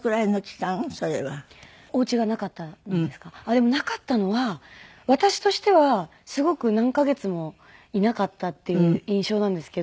でもなかったのは私としてはすごく何カ月もいなかったっていう印象なんですけど。